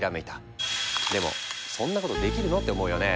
でもそんなことできるの？って思うよね？